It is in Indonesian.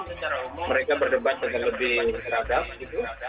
tapi secara umum mereka berdebat dengan lebih teradam gitu